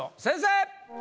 先生！